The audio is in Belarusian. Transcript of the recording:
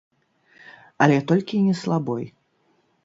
Але толькі не слабой.